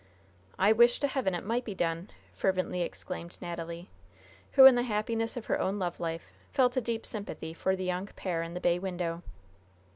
"I wish to Heaven it might be done!" fervently exclaimed Natalie, who, in the happiness of her own love life, felt a deep sympathy for the young pair in the bay window.